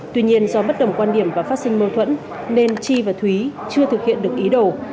tuy nhiên do bất đồng quan điểm và phát sinh mâu thuẫn nên chi và thúy chưa thực hiện được ý đồ